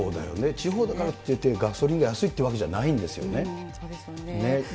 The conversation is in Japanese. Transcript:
地方だからといって、ガソリンが安いってわけじゃないんですよね。